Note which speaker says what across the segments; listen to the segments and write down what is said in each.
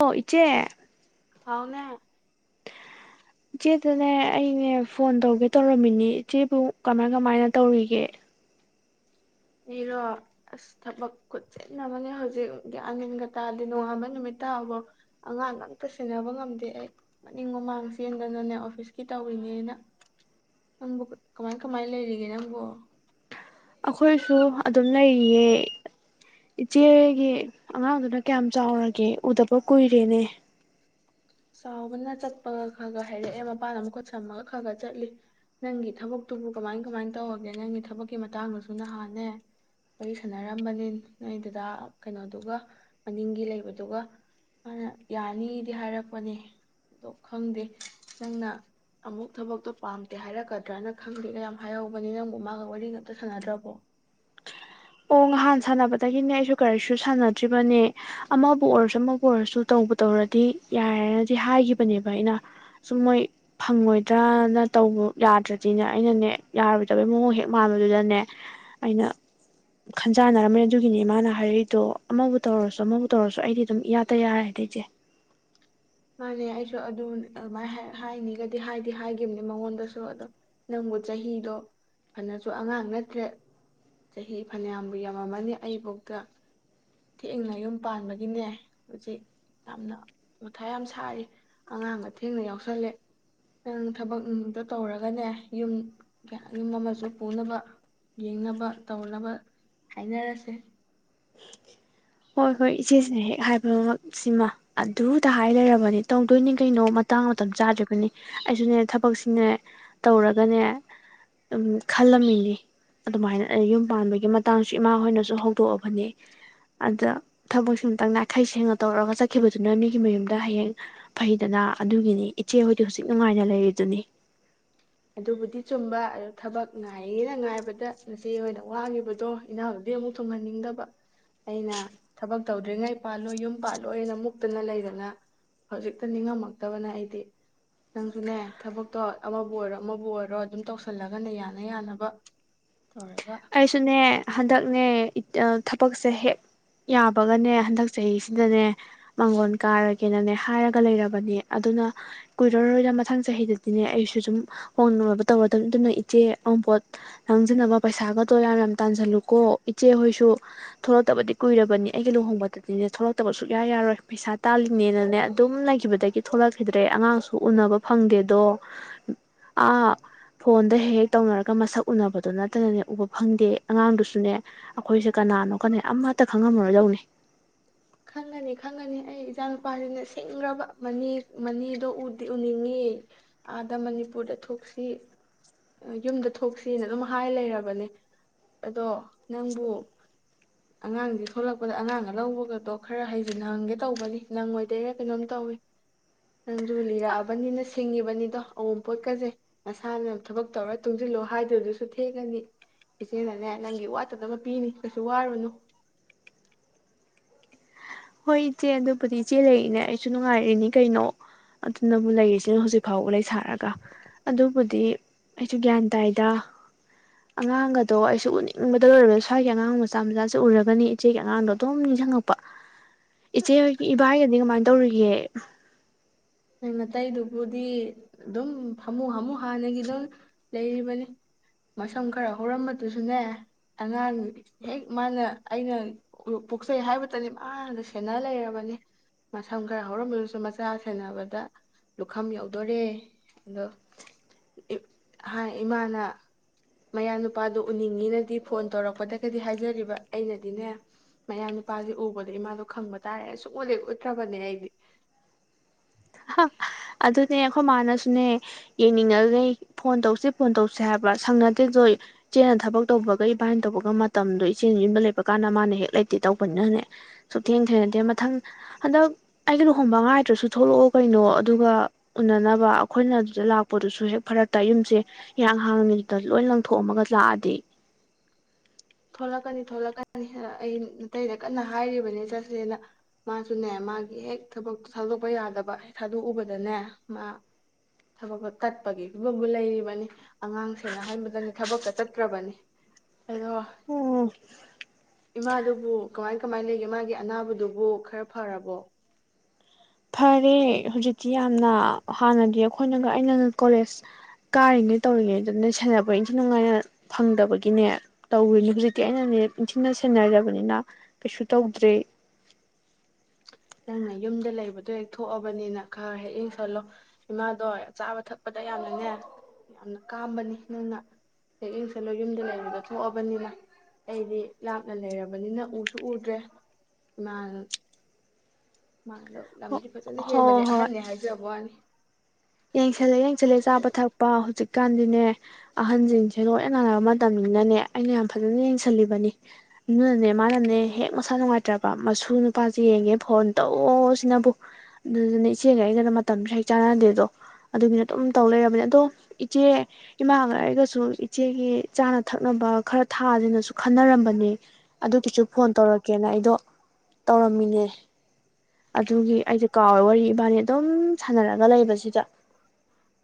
Speaker 1: ꯑꯣ ꯏꯆꯦ
Speaker 2: ꯍꯥꯎꯅꯦ
Speaker 1: ꯏꯆꯦꯗꯨꯅꯦ ꯑꯩꯅꯦ ꯐꯣꯟ ꯇꯧꯒꯦ ꯇꯧꯔꯝꯃꯤꯅꯤ ꯏꯆꯦꯕꯨ ꯀꯃꯥꯏ ꯀꯃꯥꯏꯅ ꯇꯧꯔꯤꯒꯦ
Speaker 2: ꯑꯩꯔꯣ ꯑꯁ ꯊꯕꯛ ꯈꯨꯠꯆꯥꯟ ꯑꯃꯅꯦ ꯍꯧꯖꯤꯛ ꯒ꯭ꯌꯥꯟ ꯃꯦꯟꯒ ꯇꯥꯗꯦ ꯅꯣꯡꯉꯥꯟꯕ ꯅꯨꯃꯤꯠ ꯇꯥꯕꯣ ꯑꯉꯥꯡ ꯑꯝꯇ ꯁꯦꯟꯅꯕ ꯉꯝꯗꯦ ꯑꯩ ꯃꯅꯤꯡ ꯃꯃꯥꯡ ꯆꯦꯟꯕꯗꯅꯦ ꯑꯣꯐꯤꯁꯀꯤ ꯇꯧꯔꯤꯅꯦꯅ ꯅꯪꯕꯨ ꯀꯃꯥꯏ ꯀꯃꯥꯏ ꯂꯩꯔꯤꯒꯦ ꯅꯪꯕꯨ
Speaker 1: ꯑꯩꯈꯣꯏꯁꯨ ꯑꯗꯨꯝ ꯂꯩꯔꯤꯌꯦ ꯏꯆꯦꯒꯤ ꯑꯉꯥꯡꯗꯨꯅ ꯀꯌꯥꯝ ꯆꯥꯎꯔꯒꯦ ꯎꯗꯕ ꯀꯨꯏꯔꯦꯅꯦ
Speaker 2: ꯆꯥꯎꯕꯅ ꯆꯠꯄꯒ ꯈꯔ ꯈ ꯍꯥꯏꯔꯛꯑꯦ ꯃꯄꯥꯟꯅ ꯃꯈꯨꯠ ꯁꯝꯃꯒ ꯈ ꯈ ꯆꯠꯂꯤ ꯅꯪꯒꯤ ꯊꯕꯛꯇꯨꯕꯨ ꯀꯃꯥꯏ ꯀꯃꯥꯏꯅ ꯇꯧꯔꯒꯦ ꯅꯪꯒꯤ ꯊꯕꯛꯀꯤ ꯃꯇꯥꯡꯗꯁꯨ ꯅꯍꯥꯟꯅꯦ ꯋꯥꯔꯤ ꯁꯥꯟꯅꯔꯝꯕꯅꯤ ꯅꯣꯏꯗꯨꯗ ꯀꯩꯅꯣꯗꯨꯒ ꯃꯅꯤꯡꯒꯤ ꯂꯩꯕꯗꯨꯒ ꯃꯥꯅ ꯌꯥꯅꯤꯗꯤ ꯍꯥꯏꯔꯛꯄ ꯅꯤ ꯑꯗꯣ ꯈꯪꯗꯦ ꯅꯪꯅ ꯑꯃꯨꯛ ꯊꯕꯛꯇꯣ ꯄꯥꯝꯗꯦ ꯍꯥꯏꯔꯛꯀꯗ꯭ꯔꯅ ꯈꯪꯗꯦꯒ ꯌꯥꯝ ꯍꯥꯏꯍꯧꯕꯅꯤ ꯅꯪꯕꯨ ꯃꯥꯒ ꯋꯥꯔꯤ ꯉꯥꯛꯇ ꯁꯥꯟꯅꯗ꯭ꯔꯕꯣ
Speaker 1: ꯑꯣ ꯅꯍꯥꯟ ꯁꯥꯟꯅꯕꯗꯒꯤꯅꯦ ꯑꯩꯁꯨ ꯀꯔꯤꯁꯨ ꯁꯥꯟꯅꯗ꯭ꯔꯤꯕꯅꯦ ꯑꯃꯕꯨ ꯑꯣꯏꯔꯁꯨ ꯑꯃꯕꯨ ꯑꯣꯏꯔꯁꯨ ꯇꯧꯕ ꯇꯧꯔꯗꯤ ꯌꯥꯔꯦꯅꯗꯤ ꯍꯥꯏꯈꯤꯕꯅꯦꯕ ꯑꯩꯅ ꯁꯨꯝ ꯃꯣꯏ ꯐꯪꯉꯣꯏꯗ꯭ꯔꯅ ꯇꯧꯕ ꯌꯥꯗ꯭ꯔꯗꯤꯅꯦ ꯑꯩꯅꯅꯦ ꯌꯥꯔꯣꯏꯗꯕꯩ ꯃꯑꯣꯡ ꯍꯦꯛ ꯃꯥꯟꯕꯗꯨꯗꯅꯦ ꯑꯩꯅ ꯈꯟꯖꯥꯟꯅꯔꯝꯃꯦ ꯑꯗꯨꯒꯤꯅꯦ ꯃꯥꯅ ꯍꯥꯏꯔꯛꯏꯗꯣ ꯑꯃꯕꯨ ꯇꯧꯔꯁꯨ ꯑꯃꯕꯨ ꯇꯧꯔꯁꯨ ꯑꯩꯗꯤ ꯑꯗꯨꯝ ꯏꯌꯥꯗ ꯌꯥꯔꯦꯗ ꯏꯆꯦ
Speaker 2: ꯃꯥꯅꯦ ꯑꯩꯁꯨ ꯑꯗꯨ ꯑꯗꯨꯃꯥꯏꯅ ꯍꯥꯏꯅꯤꯒꯗꯤ ꯍꯥꯏꯗꯤ ꯍꯥꯏꯈꯤꯕꯅꯦ ꯃꯉꯣꯟꯗꯁꯨ ꯑꯗꯣ ꯅꯪꯕꯨ ꯆꯍꯤꯗꯣ ꯐꯅꯁꯨ ꯑꯉꯥꯡ ꯅꯠꯇ꯭ꯔꯦ ꯆꯍꯤ ꯐꯅꯌꯥꯝꯕꯨ ꯌꯥꯝꯃꯝꯃꯅꯤ ꯑꯩꯐꯧꯗ ꯊꯦꯡꯅ ꯌꯨꯝ ꯄꯥꯟꯕꯒꯤꯅꯦ ꯍꯧꯖꯤꯛ ꯌꯥꯝꯅ ꯃꯊꯥ ꯌꯥꯝ ꯁꯥꯔꯤ ꯑꯉꯥꯡꯒ ꯊꯦꯡꯅ ꯌꯥꯎꯁꯜꯂꯦ ꯅꯪ ꯊꯕꯛꯗ ꯇꯧꯔꯒꯅꯦ ꯌꯨꯝ ꯀ ꯌꯨꯝ ꯑꯃꯁꯨ ꯄꯨꯅꯕ ꯌꯦꯡꯅꯕ ꯇꯧꯅꯕ ꯍꯥꯏꯅꯔꯁꯦ
Speaker 1: ꯍꯣꯏ ꯍꯣꯏ ꯏꯆꯦꯁꯤꯅ ꯍꯦꯛ ꯍꯥꯏꯕ ꯁꯤꯃ ꯑꯗꯨꯗ ꯍꯥꯏ ꯂꯩꯔꯕꯅꯤ ꯇꯧꯗꯣꯏꯅꯤ ꯀꯩꯅꯣ ꯃꯇꯥꯡ ꯃꯇꯝ ꯆꯥꯗ꯭ꯔꯤꯔꯤꯕꯅꯤ ꯑꯩꯁꯨꯅꯦ ꯊꯕꯛꯁꯤꯅꯦ ꯇꯧꯔꯒꯅꯦ ꯈꯜꯂꯝꯃꯤꯅꯤ ꯑꯗꯨꯃꯥꯏꯅ ꯌꯨꯝ ꯄꯥꯟꯕꯒꯤ ꯃꯇꯥꯡꯁꯨ ꯏꯃꯥ ꯍꯣꯏꯅꯁꯨ ꯍꯧꯗꯣꯛꯑꯕꯅꯦ ꯑꯗ ꯊꯕꯛꯁꯤ ꯑꯃꯨꯇꯪ ꯅꯥꯈꯩ ꯁꯦꯡꯅ ꯇꯧꯔꯛꯒ ꯆꯠꯈꯤꯕꯗꯨꯅ ꯃꯤꯒꯤ ꯃꯌꯨꯝꯗ ꯍꯌꯦꯡ ꯐꯩꯗꯅ ꯑꯗꯨꯒꯤꯅꯤ ꯏꯆꯦꯍꯣꯏꯗꯤ ꯍꯧꯖꯤꯛ ꯅꯨꯡꯉꯥꯏꯅ ꯂꯩꯔꯤꯗꯨꯅꯤ
Speaker 2: ꯑꯗꯨꯕꯨꯗꯤ ꯆꯨꯝꯕ ꯑꯗꯨ ꯊꯕꯛ ꯉꯥꯏꯌꯦꯅ ꯉꯥꯏꯕꯗ ꯉꯁꯤ ꯑꯣꯏꯅ ꯋꯥꯡꯉꯤꯕꯗꯣ ꯏꯅꯥꯎꯗꯤ ꯑꯃꯨꯛ ꯊꯨꯡꯍꯟꯅꯤꯡꯗꯕ ꯑꯩꯅ ꯊꯕꯛ ꯇꯧꯗ꯭ꯔꯤꯉꯩ ꯄꯥꯜꯂꯣꯏ ꯌꯨꯝ ꯄꯥꯜꯂꯣꯏꯅ ꯃꯨꯛꯇꯅ ꯂꯩꯗꯅ ꯍꯧꯖꯤꯛꯇ ꯅꯤꯡꯉꯝꯃꯛꯇꯕꯅ ꯑꯩꯗꯤ ꯅꯪꯁꯨꯅꯦ ꯊꯕꯛꯇꯣ ꯑꯃꯕꯨ ꯑꯣꯏꯔꯣ ꯑꯃꯕꯨ ꯑꯣꯏꯔꯣ ꯑꯗꯨꯝ ꯇꯧꯁꯜꯂꯒꯅꯦ ꯌꯥꯅ ꯌꯥꯅꯕ ꯇꯧꯔꯒ
Speaker 1: ꯑꯩꯁꯨꯨꯅꯦ ꯍꯟꯗꯛ ꯅꯦ ꯊꯕꯛꯁꯦ ꯍꯦꯛ ꯌꯥꯕꯒꯅꯦ ꯍꯟꯗꯛ ꯆꯍꯤꯁꯤꯗꯅꯦ ꯃꯥꯡꯒꯣꯟ ꯀꯥꯔꯒꯦꯅꯅꯦ ꯍꯥꯏꯔꯒ ꯂꯩꯔꯕꯅꯤ ꯑꯗꯨꯅ ꯀꯨꯏꯔꯔꯣꯏꯔ ꯃꯊꯪ ꯆꯍꯤꯗꯗꯤꯅꯦ ꯑꯩꯁꯨ ꯑꯗꯨꯝ ꯍꯣꯡꯅꯤꯡꯉꯕ ꯇꯧꯔꯗꯕꯅꯤ ꯑꯗꯨꯅ ꯏꯆꯦ ꯑꯃꯄꯣꯠ ꯅꯪꯖꯅꯕ ꯄꯩꯁꯥꯒꯗꯨ ꯌꯥꯝ ꯌꯥꯝ ꯇꯥꯟꯁꯤꯜꯂꯨꯀꯣ ꯏꯆꯦꯍꯣꯏꯁꯨ ꯊꯣꯛꯂꯛꯇꯕꯗꯤ ꯀꯨꯏꯔꯕꯅꯤ ꯑꯩꯒꯤ ꯂꯨꯍꯣꯡꯕꯗꯗꯤꯅꯦ ꯊꯣꯛꯂꯛꯇꯕ ꯁꯨꯛꯌꯥ ꯌꯥꯔꯣꯏ ꯄꯩꯁꯥ ꯇꯥꯜꯂꯤꯅꯦꯅꯅꯦ ꯑꯗꯨꯝ ꯂꯩꯈꯤꯕꯗꯒꯤ ꯊꯣꯛꯂꯛꯈꯤꯗ꯭ꯔꯦ ꯑꯉꯥꯡꯁꯨ ꯎꯅꯕ ꯐꯪꯗꯦꯗꯣ ꯑꯥ ꯐꯣꯟꯗ ꯍꯦꯛ ꯍꯦꯛ ꯇꯧꯅꯔꯒ ꯃꯁꯛ ꯎꯅꯕꯗꯨꯅ ꯐꯠꯇꯅꯅꯦ ꯎꯕ ꯐꯪꯗꯦ ꯑꯉꯥꯡꯗꯨꯁꯨꯅꯦ ꯑꯩꯈꯣꯏꯁꯦ ꯀꯅꯥꯅꯣ ꯀꯅꯥ ꯑꯃꯠꯇ ꯈꯪꯉꯝꯃꯔꯣꯏꯗꯧꯅꯤ
Speaker 2: ꯈꯪꯉꯅꯤ ꯈꯪꯒꯅꯤ ꯑꯩ ꯏꯆꯥ ꯅꯨꯨꯄꯥꯁꯤꯅ ꯁꯤꯡꯈ꯭ꯔꯕ ꯃꯅꯤ ꯃꯅꯤꯗꯣꯗꯤ ꯎꯅꯤꯡꯉꯤ ꯑꯥꯗ ꯃꯅꯤꯄꯨꯔꯗ ꯊꯣꯛꯁꯤ ꯌꯨꯝꯗ ꯊꯣꯛꯁꯤꯅ ꯑꯗꯨꯝ ꯍꯥꯏ ꯂꯩꯔꯕꯅꯦ ꯑꯗꯣ ꯅꯪꯕꯨ ꯑꯉꯥꯡꯗꯤ ꯊꯣꯛꯣꯂꯛꯄꯗ ꯑꯉꯥꯡꯒ ꯂꯧꯕꯒꯗꯣ ꯈꯔ ꯍꯥꯏꯁꯦ ꯅꯪꯒꯦ ꯇꯧꯕꯅꯤ ꯅꯪꯉꯣꯏꯗꯣꯏꯔꯥ ꯀꯩꯅꯣꯝ ꯇꯧꯋꯤ ꯅꯪꯗꯨ ꯂꯤꯔꯛꯑꯕꯅꯤꯅ ꯁꯤꯡꯉꯤꯕꯅꯤꯗꯣ ꯑꯑꯣꯅꯄꯣꯠꯀꯁꯦ ꯅꯁꯥꯅ ꯊꯕꯛ ꯇꯧꯔ ꯇꯨꯡꯁꯤꯜꯂꯣ ꯍꯥꯏꯗꯨꯗꯨꯁꯨ ꯊꯦꯡꯒꯅꯤ ꯏꯆꯦꯅꯅꯦ ꯅꯪꯒꯤ ꯋꯥꯠꯇꯗꯕ ꯄꯤꯅꯤ ꯀꯩꯁꯨ ꯋꯥꯔꯨꯅꯨ
Speaker 1: ꯍꯣꯏ ꯏꯆꯦ ꯑꯗꯨꯕꯨꯗꯤ ꯏꯆꯦ ꯂꯩꯔꯤꯏꯅꯦ ꯑꯩꯁꯨ ꯅꯨꯡꯉꯥꯏꯔꯤꯅꯤ ꯀꯩꯅꯣ ꯑꯗꯨꯅꯕꯨ ꯂꯩꯔꯤꯁꯤꯅ ꯍꯧꯖꯤꯛ ꯐꯥꯎꯕ ꯂꯩ ꯁꯥꯔꯒ ꯑꯗꯨꯕꯨꯗꯤ ꯑꯩꯁꯨ ꯒ꯭ꯌꯥꯟ ꯇꯥꯏꯗ ꯑꯉꯥꯡꯒꯗꯣ ꯑꯩꯁꯨ ꯎꯅꯤꯡꯕꯗ ꯂꯣꯏꯔꯕ ꯁ꯭ꯋꯥꯏꯒꯤ ꯑꯉꯥꯡ ꯃꯆꯥ ꯃꯆꯥꯁ ꯎꯔꯒꯅꯤ ꯏꯆꯦꯒꯤ ꯑꯉꯥꯡꯗꯣ ꯑꯗꯨꯝ ꯅꯤꯡꯁꯤꯡꯉꯛꯄ ꯏꯆꯦ ꯍꯣꯏꯒꯤ ꯏꯕꯥꯏꯒꯗꯤ ꯀꯃꯥꯏꯅ ꯇꯧꯔꯤꯒꯦ
Speaker 2: ꯑꯅꯥꯇꯩꯗꯨꯕꯨꯗꯤ ꯑꯗꯨꯝ ꯐꯃꯨ ꯍꯥꯃꯨ ꯍꯥꯟꯅꯒꯤ ꯑꯗꯨꯝ ꯂꯩꯔꯤꯕꯅꯤ ꯃꯁꯝ ꯈꯔ ꯍꯧꯔꯝꯕꯗꯨꯁꯨꯅꯦ ꯑꯉꯥꯡ ꯍꯦꯛ ꯃꯥꯅ ꯑꯩꯅ ꯄꯣꯛꯆꯩ ꯍꯥꯏꯕꯇꯅꯦ ꯃꯥꯗ ꯁꯦꯟꯅ ꯂꯩꯔꯕꯅꯤ ꯃꯁꯝ ꯈꯔ ꯍꯧꯔꯝꯕꯗꯨꯁꯨ ꯃꯆꯥ ꯁꯦꯟꯅꯕꯅꯤ ꯂꯨꯈꯝ ꯌꯧꯗꯣꯔꯦ ꯑꯗꯣ ꯏꯃꯥꯅ ꯃꯌꯥ ꯅꯨꯄꯥꯗꯣ ꯎꯅꯤꯡꯉꯤꯅꯗꯤ ꯐꯣꯟ ꯇꯧꯔꯛꯄꯗꯒꯗꯤ ꯍꯥꯏꯖꯔꯤꯕ ꯑꯩꯅꯗꯤꯅꯦ ꯃꯌꯥ ꯅꯨꯄꯥꯁꯦ ꯎꯕꯗꯣ ꯏꯃꯥꯗꯣ ꯈꯪꯕ ꯇꯥꯔꯦ ꯑꯨꯡꯂꯦꯛ ꯎꯠꯇ꯭ꯔꯕꯅꯦ ꯑꯩꯗꯤ
Speaker 1: ꯑꯗꯨꯅꯦ ꯑꯩꯈꯣꯏ ꯃꯥꯅꯁꯨꯅꯦ ꯌꯦꯡꯅꯤꯡꯉꯩ ꯐꯣꯟ ꯇꯧꯁꯤ ꯐꯣꯟ ꯇꯧꯁꯤ ꯍꯥꯏꯕ꯭ꯔꯥ ꯁꯪꯅꯗꯦꯗꯣ ꯏꯆꯦꯅ ꯊꯕꯛ ꯇꯧꯕꯒ ꯏꯕꯥꯥꯏꯅ ꯇꯧꯕꯒ ꯃꯇꯝꯗꯣ ꯏꯆꯦ ꯌꯟꯕ ꯂꯩꯕ ꯀꯥꯟꯗ ꯃꯥꯅ ꯍꯦꯛ ꯂꯩꯇꯦ ꯇꯧꯕꯅꯤꯅꯅꯦ ꯁꯨꯊꯦꯡ ꯊꯦꯡꯅꯗꯦ ꯃꯊꯪ ꯍꯟꯗꯛ ꯑꯩꯒꯤ ꯂꯨꯍꯣꯡꯕ ꯉꯥꯏꯗ꯭ꯔꯁꯨ ꯊꯣꯛꯂꯛꯑꯣ ꯀꯩꯅꯣ ꯑꯗꯨꯒ ꯎꯅꯅꯕ ꯑꯩꯈꯣꯏꯅ ꯑꯗꯨꯗ ꯂꯥꯛꯄꯗꯨꯁꯨ ꯍꯦꯛ ꯐꯔꯛꯇ ꯌꯨꯝꯁꯦ ꯏꯤꯔꯥꯡ ꯍꯥꯡꯅꯤꯤꯗꯨꯗ ꯂꯣꯏ ꯂꯪꯊꯣꯛꯑꯝꯃꯒ ꯂꯥꯛꯑꯗꯤ
Speaker 2: ꯊꯣꯛꯂꯛꯀꯅꯤ ꯊꯣꯛꯂꯛꯀꯅꯤ ꯑꯩ ꯑꯇꯩꯗ ꯀꯟꯅ ꯍꯥꯏꯔꯤꯕꯅꯤ ꯆꯠꯁꯦꯅ ꯃꯥꯁꯨꯅꯦ ꯃꯥꯒꯤ ꯍꯦꯛ ꯊꯕꯛꯇ ꯊꯥꯗꯣꯛꯄ ꯌꯥꯗꯕ ꯍꯦꯛ ꯊꯥꯗꯣꯛꯎꯕꯗꯅꯦ ꯃꯥ ꯊꯕꯛꯀ ꯀꯠꯄꯒꯤ ꯐꯤꯕꯝꯕꯨ ꯂꯩꯔꯤꯕꯅꯤ ꯑꯉꯥꯡꯁꯦꯅ ꯍꯟꯕꯗꯅꯦ ꯊꯕꯛꯀ ꯆꯠꯇ꯭ꯔꯕꯅꯤ ꯑꯗꯣ
Speaker 1: ꯑꯣ
Speaker 2: ꯏꯃꯥꯗꯨꯕꯨ ꯀꯃꯥꯏ ꯀꯃꯥꯏ ꯂꯩꯒꯦ ꯃꯥꯒꯤ ꯑꯅꯥꯕꯗꯨꯕꯨ ꯈꯔ ꯐꯔꯕꯣ
Speaker 1: ꯐꯔꯦ ꯍꯧꯖꯤꯛꯇꯤ ꯌꯥꯝꯅ ꯍꯥꯟꯅꯗꯤ ꯑꯩꯈꯣꯏꯅꯒ ꯑꯩꯅ ꯀꯣꯂꯦꯖ ꯀꯥꯔꯤꯉꯩ ꯇꯧꯔꯤꯉꯩ ꯑꯗꯨꯅ ꯁꯦꯟꯅꯕ ꯏꯟꯊꯤ ꯅꯨꯡꯉꯥꯏꯅ ꯐꯪꯗꯕꯒꯤꯅꯦ ꯇꯧꯋꯅꯦ ꯍꯧꯖꯤꯛꯇꯤ ꯑꯩꯅꯅꯦ ꯏꯟꯊꯤꯅ ꯁꯦꯟꯅꯖꯕꯅꯤꯅ ꯀꯩꯁꯨ ꯇꯧꯗ꯭ꯔꯦ
Speaker 2: ꯅꯪꯅ ꯌꯨꯝꯗ ꯂꯩꯕꯗꯣ ꯍꯦꯛ ꯊꯣꯛꯑꯕꯅꯤꯅ ꯈꯔ ꯍꯦꯛ ꯏꯡ ꯁꯜꯂꯣ ꯏꯃꯥꯗꯣ ꯆꯥꯕ ꯊꯛꯄꯗ ꯌꯥꯝꯅꯅꯦ ꯌꯥꯝꯅ ꯀꯥꯝꯕꯅꯤ ꯅꯪꯅ ꯍꯦꯛ ꯏꯡ ꯁꯜꯂꯣ ꯌꯨꯝꯗ ꯂꯩꯕꯗꯣ ꯊꯣꯛꯑꯕꯅꯤꯅ ꯑꯩꯗꯤ ꯂꯥꯞꯅ ꯂꯩꯔꯕꯅꯤꯅ ꯎꯁꯨ ꯎꯗ꯭ꯔꯦ ꯏꯃꯥ [unintelligible]
Speaker 1: ꯍꯣ
Speaker 2: ꯐꯖꯅ ꯍꯦꯟꯕꯅꯦ
Speaker 1: ꯍꯣꯏ
Speaker 2: ꯑꯍꯟꯅ ꯍꯥꯏꯖꯕꯩ ꯋꯥꯅꯤ
Speaker 1: ꯌꯦꯡꯁꯜꯂꯦ ꯌꯦꯡꯁꯜꯂꯦ ꯆꯥꯕ ꯊꯛꯄ ꯍꯧꯖꯤꯛꯀꯥꯟꯗꯤꯅꯦ ꯑꯍꯟꯁꯤꯡꯁꯦ ꯂꯣꯏ ꯅꯥꯔꯕ ꯃꯇꯝꯅꯤꯅꯅꯦ ꯑꯩꯅ ꯌꯥꯝ ꯐꯖꯅ ꯌꯦꯡꯁꯤꯜꯂꯤꯕꯅꯤ ꯑꯗꯨꯅꯅꯦ ꯃꯥꯅꯅꯦ ꯍꯦꯛ ꯃꯁꯥ ꯅꯨꯡꯉꯥꯏꯇ꯭ꯔꯕ ꯃꯁꯨ ꯅꯨꯄꯥꯁꯦ ꯌꯦꯡꯒꯦ ꯐꯣꯟ ꯇꯧꯁꯤꯅꯕꯨ ꯑꯗꯨꯗꯨꯅꯦ ꯏꯆꯦꯒ ꯑꯩꯒꯗ ꯃꯇꯝꯁꯨ ꯍꯦꯛ ꯆꯥꯟꯅꯗꯦꯗꯣ ꯑꯗꯨꯕꯨꯗꯤ ꯑꯗꯨꯝ ꯇꯧ ꯂꯩꯔꯕꯅꯦ ꯑꯗꯣ ꯏꯆꯦ ꯏꯃꯥꯒ ꯑꯩꯒꯁꯨ ꯏꯆꯦꯒꯤ ꯆꯥꯅ ꯊꯛꯅꯕ ꯈꯔ ꯊꯥꯗꯅꯁꯨ ꯈꯟꯅꯔꯝꯕꯅꯦ ꯑꯗꯨꯒꯤꯁꯨ ꯐꯣꯟ ꯇꯧꯔꯛꯀꯦꯅ ꯑꯩꯗꯣ ꯇꯧꯔꯝꯃꯤꯅꯦ ꯑꯗꯨꯒꯤ ꯑꯩꯗꯤ ꯀꯥꯎꯋꯦ ꯋꯥꯔꯤ ꯏꯕꯥꯅꯤ ꯑꯗꯨꯝ ꯁꯥꯟꯅꯔꯒ ꯂꯩꯕꯁꯤꯗ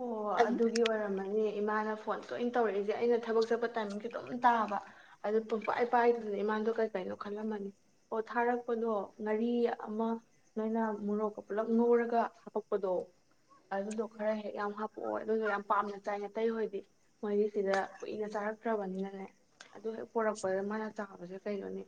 Speaker 2: ꯑꯣ ꯑꯗꯨꯒꯤ ꯑꯣꯏꯔꯝꯃꯅꯤ ꯏꯃꯥꯅ ꯐꯣꯟ ꯇꯣꯏꯅ ꯇꯧꯔꯛꯏꯁꯦ ꯑꯩꯅ ꯊꯕꯛ ꯆꯠꯄ ꯇꯥꯏꯃꯤꯡꯁꯈꯤ ꯑꯗꯨꯝ ꯇꯥꯕ ꯑꯗꯨ ꯄꯨꯡ ꯏ ꯄꯥꯏꯗꯨꯗꯅ ꯏꯃꯥꯗꯣ ꯀꯩꯅꯣ ꯈꯜꯂꯝꯃꯅꯤ ꯑꯣ ꯊꯥꯔꯛꯄꯗꯣ ꯉꯥꯔꯤ ꯑꯃ ꯅꯣꯏꯅ ꯃꯣꯔꯣꯛꯀ ꯄꯨꯜꯂꯞ ꯉꯧꯔꯒ ꯍꯥꯄꯛꯄꯗꯣ ꯑꯗꯨꯗꯣ ꯈꯔ ꯍꯦꯛ ꯌꯥꯝ ꯍꯥꯄꯛꯑꯣ ꯑꯗꯨꯗꯣ ꯌꯥꯝ ꯄꯥꯝꯅ ꯆꯥꯏꯅ ꯇꯇꯩ ꯍꯣꯏꯗꯤ ꯃꯣꯏꯒꯤ ꯁꯤꯗ ꯀꯨꯏꯅ ꯆꯥꯔꯛꯇ꯭ꯔꯕꯅꯤꯅꯅꯦ ꯑꯗꯨ ꯍꯦꯛ ꯄꯣꯔꯛꯄꯗ ꯃꯥꯅ ꯆꯥꯕꯁꯦ ꯀꯩꯅꯣꯅꯦ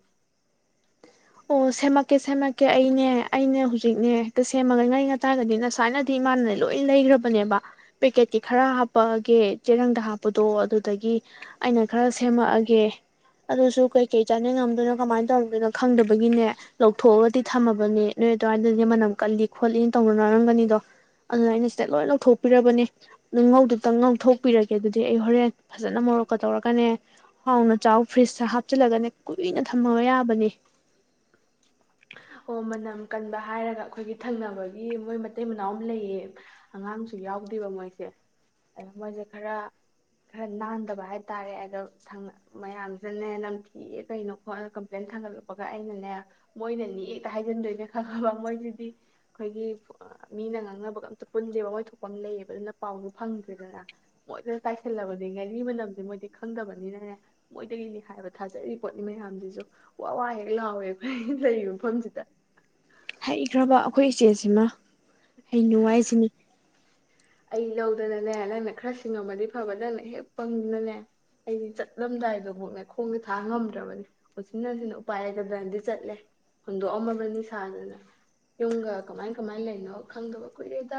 Speaker 1: ꯑꯣ ꯁꯦꯝꯃꯛꯀꯦ ꯁꯦꯝꯃꯛꯀꯦ ꯑꯩꯅꯦ ꯑꯩꯅꯦ ꯍꯧꯖꯤꯛꯅꯦ ꯍꯦꯛꯇ ꯁꯦꯝꯃꯒ ꯉꯉ ꯇꯥꯔꯒꯗꯤ ꯅꯁꯃꯥꯏꯅꯗꯤ ꯏꯃꯥꯟꯅꯅꯦ ꯂꯣꯏ ꯂꯩꯈ꯭ꯔꯕꯅꯦꯕ ꯄꯦꯀꯦꯠꯀꯤꯤ ꯈꯔ ꯍꯥ ꯄꯑꯒꯦ ꯆꯦꯔꯪꯗ ꯍꯥꯞꯄ ꯄꯗꯣ ꯑꯗꯨꯗꯒꯤ ꯑꯩꯅ ꯈꯔ ꯁꯦꯝꯃꯛꯑꯒꯦ ꯑꯗꯨꯁꯨ ꯀꯩꯀꯩ ꯆꯥꯅꯤꯡ ꯉꯝꯗꯣꯏꯅꯣ ꯀꯃꯥꯏꯅ ꯇꯧꯗꯣꯏꯅꯣ ꯐꯪꯗꯕꯒꯤꯅꯦ ꯂꯧꯊꯣꯛꯑꯒꯗꯤ ꯊꯝꯃꯕꯅꯤ ꯅꯣꯏ ꯑꯗꯨꯋꯥꯏꯗꯗꯤ ꯃꯅꯝ ꯀꯜꯂꯤ ꯈꯣꯠꯂꯤ ꯇꯧꯅꯅꯔꯝꯒꯅꯤꯗꯣ ꯑꯗꯨꯅ ꯑꯩꯅ ꯁꯤꯗ ꯂꯣꯏ ꯂꯧꯊꯣꯛꯄꯤꯔꯕꯅꯦ ꯑꯗꯨ ꯉꯧꯗꯨꯇꯪ ꯉꯧꯊꯣꯛꯄꯤꯔꯒꯦ ꯑꯗꯨꯗꯤ ꯑꯩ ꯍꯣꯔꯦꯟ ꯐꯖꯅ ꯃꯣꯔꯣꯛꯀ ꯇꯧꯔꯒꯅꯦ ꯍꯥꯎꯅ ꯆꯥꯎ ꯐ꯭ꯔꯤꯖꯇ ꯍꯥꯞꯆꯤꯜꯂꯒꯅꯦ ꯀꯨꯏꯅ ꯊꯝꯃꯕ ꯌꯥꯕꯅꯤ
Speaker 2: ꯑꯣ ꯃꯅꯝ ꯀꯟꯕ ꯍꯥꯏꯔꯒ ꯑꯩꯈꯣꯏꯒꯤ ꯊꯪꯅꯕꯒꯤ ꯃꯣꯏ ꯃꯇꯩ ꯃꯅꯥꯎ ꯑꯃ ꯂꯩꯌꯦ ꯑꯉꯥꯡꯁꯨ ꯌꯥꯎꯗꯦꯕ ꯃꯣꯏꯁꯦ ꯑꯣ ꯃꯣꯏꯁꯦ ꯈꯔ ꯈꯔ ꯅꯥꯟꯗꯕ ꯍꯥꯏ ꯇꯔꯦ ꯑꯗꯣ ꯃꯌꯥꯝꯁꯤꯅꯦ ꯅꯝꯊꯤ ꯀꯩꯅꯣ ꯈꯣꯠꯅ ꯀꯝꯄ꯭ꯂꯦꯟ ꯊꯥꯡꯒꯠꯂꯛꯄꯒ ꯑꯩꯅꯅꯦ ꯃꯣꯏꯅꯅꯤ ꯌꯦꯛꯇ ꯍꯥꯏꯖꯤꯟꯗꯣꯏꯅꯦ ꯈꯪꯉꯕ ꯃꯣꯏꯁꯤꯗꯤ ꯑꯩꯈꯣꯏꯒꯤ ꯃꯤꯅ ꯉꯥꯡꯅꯕꯒ ꯑꯝꯇ ꯄꯨꯟꯁꯦꯕ ꯃꯣꯏ ꯊꯣꯛꯄ ꯑꯃ ꯂꯩꯌꯦꯕ ꯑꯗꯨꯅ ꯄꯥꯎꯁꯨ ꯐꯪꯗ꯭ꯔꯦꯗꯅ ꯃꯣꯏꯗ ꯇꯥꯏꯁꯜꯂꯕꯗꯤ ꯉꯥꯔꯤ ꯃꯅꯝꯁꯦ ꯃꯣꯏꯗꯤ ꯈꯪꯗꯕꯅꯤꯅꯅꯦ ꯃꯣꯏꯗꯒꯤꯅꯤ ꯍꯥꯏꯕ ꯊꯥꯖꯔꯤꯕ ꯄꯣꯠꯅꯤ ꯃꯌꯥꯝꯁꯤꯁꯨ ꯋꯥ ꯋꯥ ꯍꯦꯛ ꯂꯥꯎꯋꯦ ꯑꯩꯈꯣꯏ ꯂꯩꯌꯦ ꯃꯐꯝꯁꯤꯗ
Speaker 1: ꯍꯩꯈ꯭ꯔꯕ ꯑꯩꯈꯣꯏ ꯏꯆꯦꯁꯤꯃ ꯍꯩꯅꯨ ꯍꯥꯏꯖꯤꯅꯤ
Speaker 2: ꯑꯩ ꯂꯧꯗꯅꯅꯦ ꯅꯪꯅ ꯈꯔ ꯁꯤꯡꯉꯝꯃꯗꯤ ꯐꯕ ꯅꯪꯅ ꯍꯦꯛ ꯄꯪꯗꯅꯅꯦ ꯑꯩꯗꯤ ꯆꯠꯂꯝꯗꯥꯏꯗꯐꯥꯎꯅꯦ ꯂꯧꯗꯅꯥꯅꯦ ꯅꯪꯅ ꯈꯔꯥ ꯁꯤꯉꯝ ꯃꯗꯤꯅꯤ ꯆꯠꯂꯝꯗꯥꯏꯗꯤꯐꯥꯎ ꯈꯣꯡꯖꯦ ꯊꯥꯡ ꯉꯝꯗ꯭ꯔꯕꯅꯤ ꯑꯣ ꯎꯆꯤꯟꯅꯆꯤꯟꯅ ꯎꯄꯥꯏ ꯂꯩꯒꯗ꯭ꯔꯅꯗꯤ ꯆꯠꯂꯦ ꯍꯨꯟꯗꯣꯛꯑꯝꯃꯕꯅꯤ ꯁꯥꯗꯅ ꯌꯨꯝꯒ ꯀꯃꯥꯏ ꯀꯃꯥꯏꯅ ꯂꯩꯅꯣ ꯈꯪꯗꯕ ꯀꯨꯏꯔꯦꯗ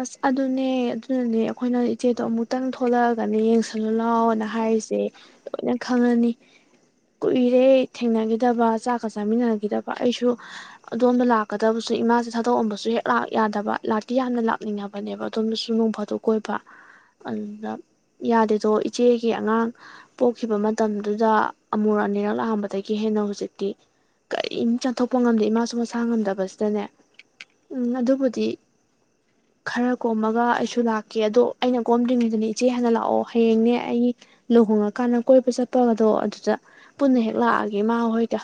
Speaker 1: ꯑꯁ ꯑꯗꯨꯅꯦ ꯑꯗꯨꯅꯅꯦ ꯑꯩꯈꯣꯏꯅ ꯏꯆꯦꯗꯣ ꯑꯃꯨꯛꯇꯪ ꯊꯣꯛꯂꯛꯑꯒꯅꯦ ꯌꯦꯡꯁꯜꯂꯣ ꯂꯥꯎꯑꯣꯑꯣꯅ ꯍꯥꯏꯔꯤꯁꯦ ꯂꯣꯏꯅ ꯈꯪꯉꯅꯤ ꯀꯨꯏꯔꯦ ꯊꯦꯡꯅꯈꯤꯗꯕ ꯆꯥꯛꯀ ꯆꯥꯃꯤꯟꯅꯈꯤꯗꯕ ꯑꯩꯁꯨ ꯑꯗꯣꯝꯕ ꯂꯥꯛꯀꯗꯕꯁꯨ ꯏꯃꯥꯁꯦ ꯊꯥꯗꯣꯛꯑꯝꯕꯁꯨ ꯍꯦꯛ ꯂꯥꯛ ꯌꯥꯗꯕ ꯂꯥꯛꯇꯤ ꯌꯥꯝꯅ ꯂ ꯅꯤꯡꯉꯅꯕꯅꯦꯕ ꯑꯗꯣꯝꯗꯁꯨ ꯅꯣꯡꯐꯥꯠꯇꯣ ꯀꯣꯏꯕ ꯑꯗꯨꯗ ꯌꯥꯗꯦꯗꯣ ꯏꯆꯦꯒꯤ ꯑꯉꯥꯡ ꯄꯣꯛꯈꯤꯕ ꯃꯇꯝꯗꯨꯗ ꯑꯃꯨꯔꯛ ꯑꯅꯤꯔꯛ ꯂꯥꯛꯑꯝꯕꯗꯒꯤ ꯍꯦꯟꯅ ꯍꯧꯖꯤꯛꯇꯤ ꯀꯔꯤꯝ ꯆꯠꯊꯣꯛꯄ ꯉꯝꯗꯦ ꯏꯃꯥꯁꯨ ꯃꯁꯥ ꯉꯝꯗꯕꯁꯤꯗꯅꯦ ꯎꯝ ꯑꯗꯨꯕꯨꯗꯤ ꯈꯔ ꯀꯣꯝꯃꯒ ꯑꯩꯁꯨ ꯂꯥꯛꯀꯦ ꯑꯗꯣ ꯑꯩꯅ ꯀꯣꯝꯗ꯭ꯔꯤꯉꯩꯗꯅꯦ ꯏꯆꯦ ꯍꯥꯟꯅ ꯂꯥꯛꯑꯣ ꯍꯌꯦꯡꯅꯦ ꯑꯩ ꯂꯨꯍꯣꯡꯉ ꯀꯥꯟꯅ ꯀꯣꯏꯕ ꯆꯠꯄꯒꯗꯣ ꯑꯗꯨꯗ ꯄꯨꯟꯅ ꯍꯦꯛ ꯂꯥꯛꯑꯒꯦ ꯏꯃꯥꯍꯣꯏꯒ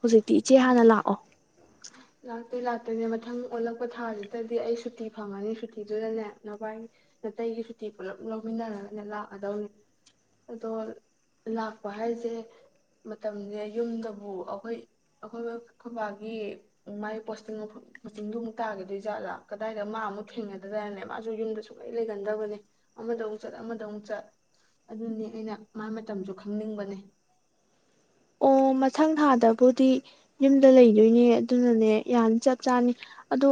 Speaker 1: ꯍꯧꯖꯤꯛꯇꯤ ꯏꯆꯦ
Speaker 2: ꯑꯣ
Speaker 1: ꯍꯥꯟꯅ ꯂꯥꯛꯑꯣ
Speaker 2: ꯂꯥꯛꯇꯤ ꯂꯥꯛꯇꯣꯏꯅꯦ ꯃꯊꯪ ꯑꯣꯜꯂꯛꯄ ꯊꯥꯁꯤꯗꯗꯤ ꯑꯩ ꯁꯨꯇꯤ ꯐꯪꯉꯅꯤ ꯁꯨꯇꯤꯗꯨꯗꯅꯦ ꯅꯕꯥꯏ ꯅꯥꯇꯩꯒꯤ ꯁꯨꯇꯤ ꯄꯨꯂꯞ ꯂꯧꯃꯤꯟꯅꯔꯒꯅꯦ ꯂꯥꯛꯀꯗꯧꯅꯦ ꯑꯗꯣ ꯂꯥꯛꯄ ꯍꯥꯏꯁꯦ ꯃꯇꯝꯁꯦ ꯌꯨꯝꯗꯕꯨ ꯑꯩꯈꯣꯏ ꯑꯩꯈꯣꯏ ꯑꯩꯈꯣꯏꯕꯥꯒꯤ ꯃꯥꯒꯤ ꯄꯣꯁꯇꯤꯡ ꯃꯐꯝ ꯄꯣꯁꯇꯤꯡꯗꯨ ꯑꯃꯨꯛ ꯇꯥꯈꯤꯗꯣꯏꯖꯥꯠꯂꯥ ꯀꯗꯥꯏꯗ ꯃꯥ ꯑꯃꯨꯛ ꯊꯦꯡꯅꯗꯣꯏꯗꯅꯅꯦ ꯃꯥꯁꯨ ꯌꯨꯝꯗ ꯁꯨꯛꯂꯩ ꯂꯩꯒꯟꯗꯕꯅꯦ ꯑꯃꯗ ꯑꯃꯨꯛ ꯆꯠ ꯑꯃꯗ ꯑꯃꯨꯛ ꯆꯠ ꯑꯗꯨꯅꯤ ꯑꯩꯅ ꯃꯥꯏ ꯃꯇꯝꯁꯨ ꯈꯪꯅꯤꯡꯕꯅꯦ
Speaker 1: ꯑꯣ ꯃꯊꯪ ꯊꯥꯗꯕꯨꯗꯤ ꯌꯨꯝꯗ ꯂꯩꯗꯣꯏꯅꯦ ꯑꯗꯨꯅꯅꯦ ꯌꯥꯅꯤ ꯆꯞ ꯆꯥꯅꯤ ꯑꯗꯣ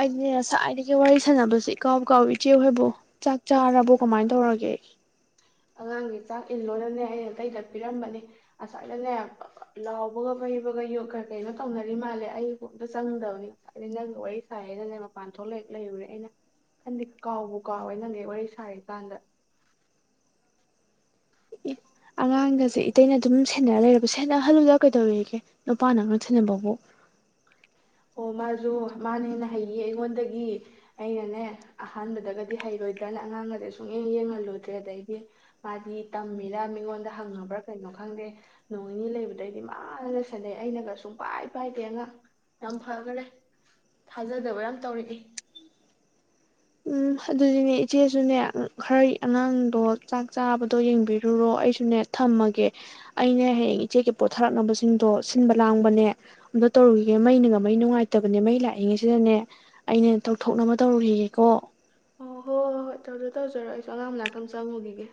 Speaker 1: ꯑꯩꯅꯦ ꯉꯁꯥꯏꯗꯒꯤ ꯋꯥꯔꯤ ꯁꯥꯟꯅꯕꯁꯦ ꯀꯥꯎ ꯀꯥꯎ ꯏꯆꯦ ꯍꯣꯏꯕꯣ ꯆꯥꯛ ꯆꯥꯔꯕꯣ ꯀꯃꯥꯏꯅ ꯇꯧꯔꯒꯦ
Speaker 2: ꯑꯉꯥꯡꯒꯤ ꯆꯥꯛ ꯏꯜꯂꯣꯅꯅꯦ ꯑꯩꯅ ꯑꯇꯩꯗꯄꯤꯔꯝꯕꯅꯦ ꯑꯁꯥꯏꯗꯅꯦ ꯂꯥꯎꯕꯒ ꯐꯩꯕꯒ ꯌ ꯀꯩꯅꯣ ꯇꯧꯅꯔꯤ ꯃꯥꯜꯂꯦ ꯑꯩ ꯀꯣꯛꯇ ꯆꯪꯗꯕꯅꯤ ꯉꯁꯥꯏꯗ ꯅꯪꯒ ꯋꯥꯔꯤ ꯁꯥꯏꯌꯦꯅꯅꯦ ꯃꯄꯥꯟ ꯊꯣꯛꯂꯦꯛ ꯂꯩꯔꯨꯔꯦ ꯑꯩꯅ ꯈꯟꯗꯤ ꯀꯥꯎꯕ ꯀꯥꯎ ꯍꯣꯏ ꯅꯪꯒꯤ ꯋꯥꯔꯤ ꯁꯥꯔꯤ ꯀꯥꯟꯗ
Speaker 1: ꯑꯉꯥꯡꯒꯥꯁꯦ ꯏꯇꯩꯅ ꯑꯗꯨꯝ ꯁꯦꯟꯅꯔ ꯂꯩꯔꯕ ꯁꯦꯠꯅꯍꯜꯂꯨꯗ ꯀꯩꯗꯧꯔꯤꯒꯦ ꯅꯨꯄꯥꯅ ꯑꯉꯥꯛ ꯁꯦꯟꯅꯕꯕꯨ
Speaker 2: ꯑꯣ ꯃꯥꯁꯨ ꯃꯥꯅꯦꯦꯟꯅ ꯍꯩꯌꯦꯌꯦ ꯑꯩꯉꯣꯟꯗꯒꯤ ꯑꯩꯅꯅꯦ ꯑꯍꯥꯟꯕꯗꯒꯗꯤ ꯍꯩꯔꯣꯏꯗ꯭ꯔꯅ ꯑꯉꯥꯡꯒꯁꯦ ꯁꯨꯡꯌꯦꯦ ꯌꯦꯡꯍꯜꯂꯨꯗ꯭ꯔꯦ ꯑꯗꯩꯗꯤ ꯃꯥꯗꯤ ꯇꯝꯃꯤꯔꯥ ꯃꯤꯉꯣꯟꯗ ꯍꯪꯉꯕ꯭ꯔꯥ ꯀꯩꯅꯣ ꯈꯪꯗꯦ ꯅꯣꯡ ꯅꯤꯅꯤ ꯂꯩꯕꯗꯩꯗꯤ ꯃꯥꯅ ꯁꯦꯅꯩ ꯑꯩꯅꯒ ꯁꯨꯡꯄꯥꯏ ꯄꯥꯏꯗꯦ ꯑꯉꯥꯡ ꯌꯥꯝ ꯐꯈꯔꯦ ꯊꯥꯖꯗꯕ ꯌꯥꯝ ꯇꯧꯔꯛꯏ
Speaker 1: ꯎꯝ ꯑꯗꯨꯗꯤꯅꯦ ꯏꯆꯦꯁꯨꯅꯦ ꯈꯔ ꯑꯉꯥꯡꯗꯣ ꯆꯥꯛ ꯆꯥꯕꯗꯣ ꯌꯦꯡꯕꯤꯔꯨꯔꯣ ꯑꯩꯁꯨꯅꯦ ꯊꯝꯃꯒꯦ ꯑꯩꯅ ꯍꯌꯦꯡ ꯆꯦꯛꯒꯤ ꯄꯣꯠ ꯊꯥꯔꯛꯅꯕꯁꯤꯡꯗꯣ ꯁꯤꯟꯕ ꯂꯥꯡꯕꯅꯦ ꯑꯝꯇ ꯇꯧꯔꯨꯈꯤꯒꯦ ꯃꯩꯅ ꯉ ꯃꯩ ꯅꯨꯡꯉꯥꯏꯇꯕꯅꯦ ꯃꯩ ꯂꯥꯛꯑꯦ ꯑꯌꯤꯡꯁꯤꯗꯅꯦ ꯑꯩꯅ ꯇꯧꯊꯣꯛꯅꯕ ꯇꯧꯔꯨꯈꯤꯒꯦꯀꯣ
Speaker 2: ꯑꯣ ꯍꯣꯏ ꯍꯣꯏ ꯍꯣꯏ ꯇꯧꯖꯔꯣ ꯇꯧꯖꯔꯣ ꯑꯩꯁꯨ ꯑꯉꯥꯡꯃꯥꯅꯥꯥꯛꯇ ꯑꯃ ꯆꯪꯉꯨꯈꯤꯒꯦ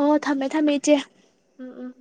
Speaker 1: ꯑꯣ ꯊꯝꯃꯦ ꯊꯝꯃꯦ ꯏꯆꯦ
Speaker 2: ꯎꯝ ꯎꯝ